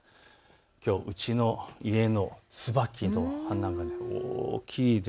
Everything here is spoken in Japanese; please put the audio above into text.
きょううちの家のつばきの花が大きいです。